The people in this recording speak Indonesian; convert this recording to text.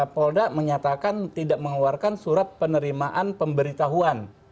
polda menyatakan tidak mengeluarkan surat penerimaan pemberitahuan